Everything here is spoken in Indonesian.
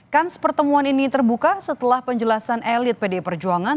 kans pertemuan ini terbuka setelah penjelasan elit pdi perjuangan